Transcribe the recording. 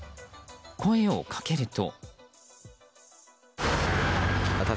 声をかけると。